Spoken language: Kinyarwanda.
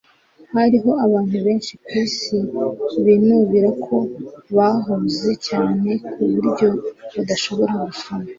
Hariho abantu benshi kwisi binubira ko bahuze cyane kuburyo badashobora gusoma